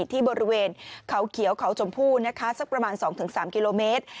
ที่บริเวณเขาเขียวเขาชมพู่นะคะสักประมาณ๒๓กิโลเมตร